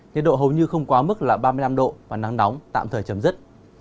nhiệt độ hầu như không quá mức là ba mươi năm độ và nắng nóng tạm thời chấm dứt